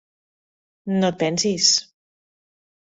No et pensis...